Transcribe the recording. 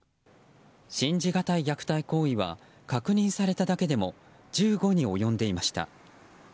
信じがたい虐待行為は確認されただけでも１５に及んでいました。